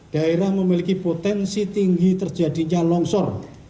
daerah memiliki potensi tinggi terjadinya longsor